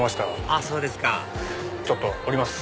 あっそうですかちょっと降ります。